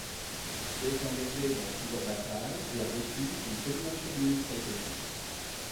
Il a été engagé dans plusieurs batailles et a reçu une Presidential Unit Citation.